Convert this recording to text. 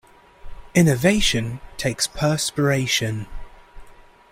Innovation takes perspiration.